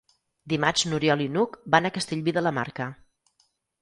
Dimarts n'Oriol i n'Hug van a Castellví de la Marca.